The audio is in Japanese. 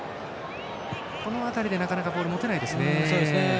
この辺りでなかなかボールを持てないですね。